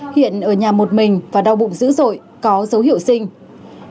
hiện ở nhà một mình và đau bụng dữ dội có dấu hiệu sinh